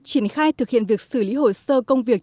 triển khai thực hiện việc xử lý hồ sơ công việc